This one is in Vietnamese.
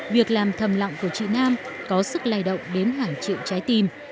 việc làm thầm lọng của chị nam có sức lay động đến hàng triệu trái tim